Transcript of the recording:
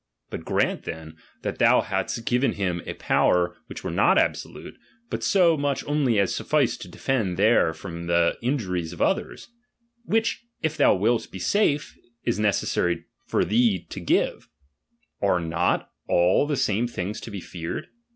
But grant then, that thou hadst given him a IKiiFer which were not absolute, but an much only as sufficed to defend itiee from the itijuriea of uthers; which, if thou wilt be safe, b necessary I'or thee to give ; are not all the same things to lie feared